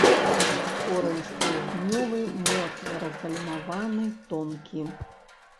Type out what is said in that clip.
Корань стрыжнёвы, моцна разгалінаваны, тонкі.